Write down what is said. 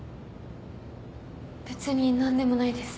別に何でもないです。